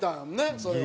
それはね。